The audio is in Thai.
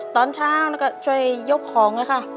ตอนเช้าแล้วก็ช่วยยกของเลยค่ะ